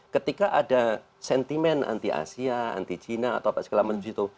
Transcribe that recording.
ketika ada sentimen anti asia anti china atau apa segala macam itu